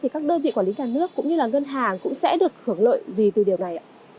các đơn vị quản lý nhà nước cũng như là ngân hàng cũng sẽ được hưởng lợi gì từ điều này ạ